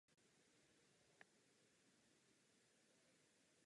Stavba také skrývá několik podzemních tunelů a místností sloužících k uctívání.